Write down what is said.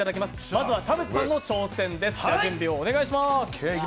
まずは田渕さんの挑戦です。